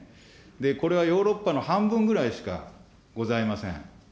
これはヨーロッパの半分ぐらいしかございません。